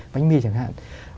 bánh mì chẳng hạn